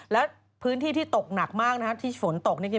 และพื้นที่ที่ตกหนักมากที่ฝนตก